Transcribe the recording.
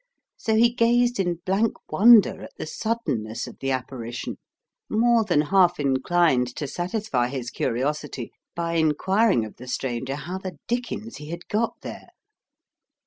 So he gazed in blank wonder at the suddenness of the apparition, more than half inclined to satisfy his curiosity by inquiring of the stranger how the dickens he had got there.